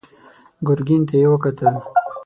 ګرګين ته يې وکتل.